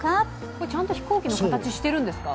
これ、ちゃんと飛行機の形してるんですか？